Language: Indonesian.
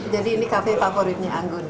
jadi ini cafe favoritnya anggun ya